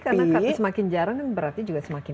karena semakin jarang berarti juga semakin